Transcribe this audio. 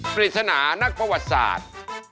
ปริศนานักประวัติศาสตร์